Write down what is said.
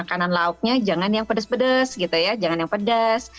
makanan lauknya jangan yang pedes pedes gitu ya jangan yang pedas